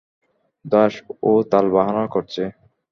দাস, ও তালবাহানা করছে।